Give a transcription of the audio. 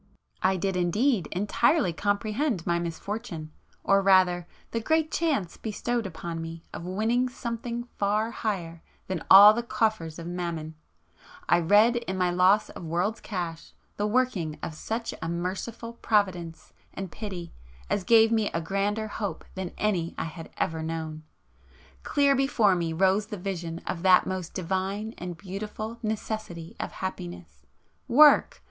I did indeed entirely comprehend my 'misfortune,' or rather the great chance bestowed on me of winning something far higher than all the coffers of Mammon; I read in my loss of world's cash the working of such a merciful providence and pity as gave me a grander hope than any I had ever known. Clear before me rose the vision of that most divine and beautiful necessity of happiness,—Work!